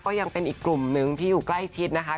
ก็ยังเป็นอีกกลุ่มหนึ่งที่อยู่ใกล้ชิดนะคะ